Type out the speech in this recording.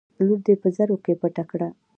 لور دې په زرو کې پټه کړه.